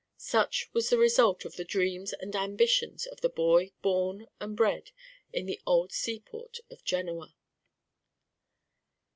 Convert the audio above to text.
Such was the result of the dreams and ambitions of the boy born and bred in the old seaport of Genoa.